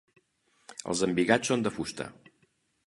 Els embigats són de fusta.